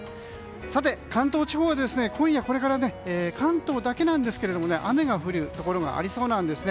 さて、関東地方は今夜これから関東だけなんですが雨が降るところがありそうです。